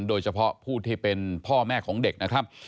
โดยเฉพาะผู้ที่เป็นพ่อแม่ของเด็กนะครับ